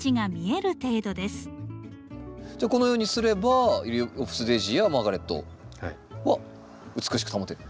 じゃあこのようにすればユリオプスデージーやマーガレットは美しく保てる。